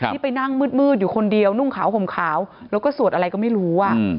ที่ไปนั่งมืดอยู่คนเดียวนุ่งขาวห่มขาวแล้วก็สวดอะไรก็ไม่รู้